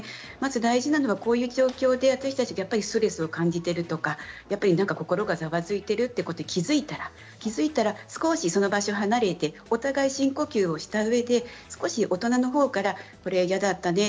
大事なのはこの状況で私たちストレスを感じているとか心がざわついているということに気付いたら少しその場所を離れてお互い深呼吸をしたうえで大人のほうから、これ嫌だったね